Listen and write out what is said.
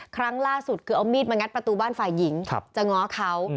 ครั้งล่าสุดคือเอามีดมางัดประตูบ้านฝ่ายหญิงจะง้อเขา